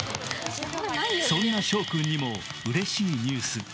そんな翔君にもうれしいニュース。